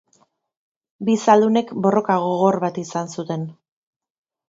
Bi zaldunek borroka gogor bat izan zuten.